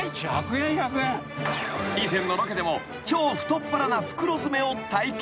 ［以前のロケでも超太っ腹な袋詰めを体験］